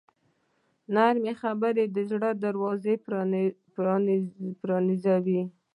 نرمې خبرې د زړه دروازې پرانیزي.